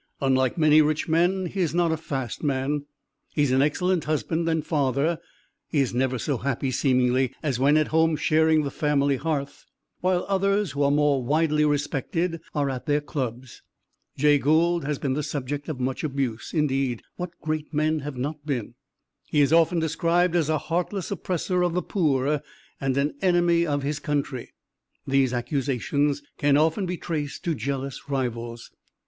Unlike many rich men he is not a "fast" man. He is an excellent husband and father; he is never so happy, seemingly, as when at home sharing the family hearth, while others, who are more widely respected, are at their clubs. Jay Gould has been the subject of much abuse; indeed, what great men have not been? He is often described as a heartless oppressor of the poor and an enemy of his country. These accusations can often be traced to jealous rivals.